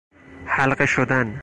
حلقه شدن